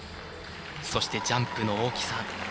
そしてジャンプの大きさ。